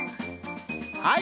はい。